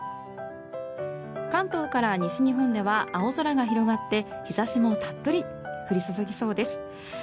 関東から西日本では青空が広がって日差しもたっぷり降り注ぎそうです。